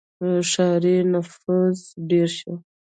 • ښاري نفوس ډېر شو.